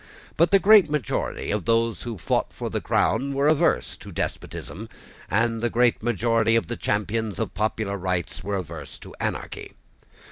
But the great majority of those who fought for the crown were averse to despotism; and the great majority of the champions of popular rights were averse to anarchy.